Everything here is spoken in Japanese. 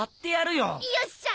よっしゃ！